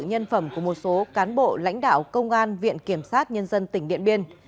nhân phẩm của một số cán bộ lãnh đạo công an viện kiểm sát nhân dân tỉnh điện biên